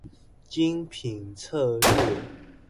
精品策略